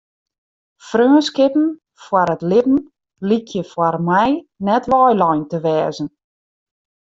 Freonskippen foar it libben lykje foar my net weilein te wêze.